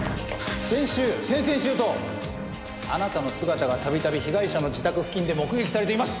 先週先々週とあなたの姿がたびたび被害者の自宅付近で目撃されています。